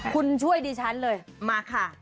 คุณช่วยดิฉันเลยมาค่ะ